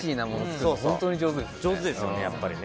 そうそう上手ですよねやっぱりね。